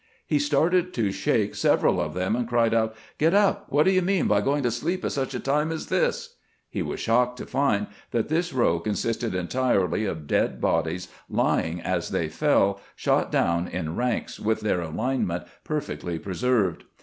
He started to shake several of them, and cried out: "Get up! ATTEMPT TO TDKN OUR EIGHT 129 What do you mean by going to sleep at sucli a time as this ?" He was shocked to find that this row consisted entirely of dead bodies lying as they fell, shot down in ranks with their alinement perfectly preserved.